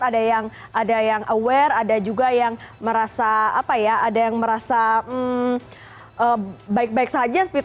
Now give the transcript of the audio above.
ada yang aware ada juga yang merasa baik baik saja